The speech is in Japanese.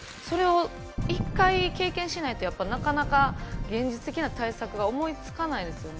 それを一回経験しないと、なかなか現実的な対策が思いつかないですよね。